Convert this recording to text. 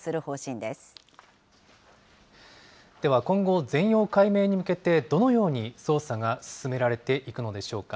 では、今後、全容解明に向けてどのように捜査が進められていくのでしょうか。